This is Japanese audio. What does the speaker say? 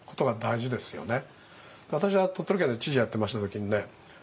私は鳥取県の知事やってました時にね